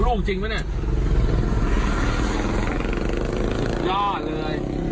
ลูกจริงปะเนี่ย